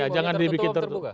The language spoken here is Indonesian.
jangan dibikin tertutup